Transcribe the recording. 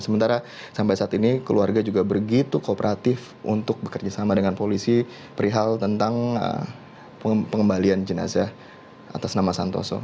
sementara sampai saat ini keluarga juga begitu kooperatif untuk bekerjasama dengan polisi perihal tentang pengembalian jenazah atas nama santoso